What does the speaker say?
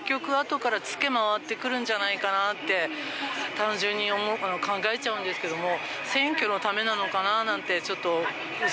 単純に考えちゃうんですけども。